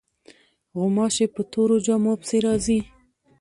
غوماشې په تورو جامو پسې راځي.